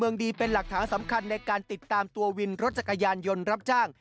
เมืองดีเป็นหลักฐานสำคัญในการติดตามตัววินรถจักรยานยนต์รับจ้าง